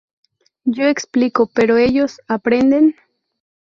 Yo explico pero ellos…¿aprenden?